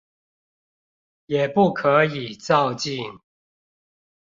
也不可以躁進